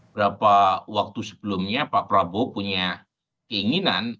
berapa waktu sebelumnya pak prabowo punya keinginan